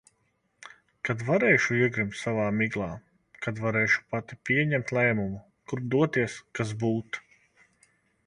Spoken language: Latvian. Kad varēšu iegrimt savā miglā. Kad varēšu pati pieņemt lēmumu, kurp doties, kas būt.